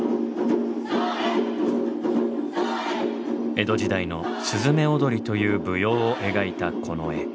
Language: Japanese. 江戸時代の雀踊りという舞踊を描いたこの絵。